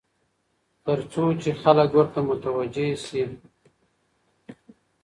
تر څو چې خلک ورته متوجع شي.